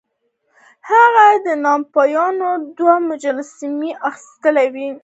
هغه د ناپلیون دوه مجسمې اخیستې وې.